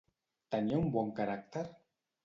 Tenia un bon caràcter?